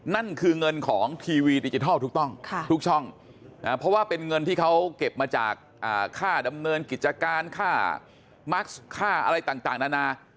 นั่นคือเงินของทีวีดิจิทัลถูกต้องทุกช่องเพราะว่าเป็นเงินที่เขาเก็บมาจากค่าดำเนินกิจการค่ามัสค่าอะไรต่างนานา